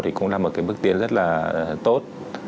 thì cũng là một cái bước tiến rất là tốt